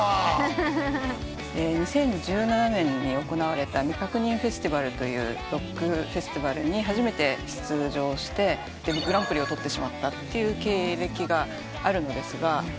２０１７年に行われた未確認フェスティバルというロックフェスティバルに初めて出場してグランプリを取ってしまったという経歴があるのですが。